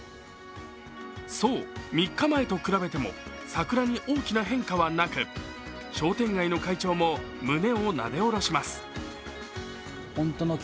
そう、３日前と比べても桜に大きな変化はなく商店街の会長も胸をなで下ろします。